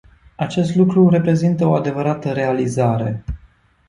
Acest lucru reprezintă o adevărată realizare.